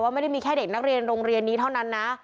ไม่ได้มีแค่เด็กนักเรียนโรงเรียนนี้เท่านั้นนะ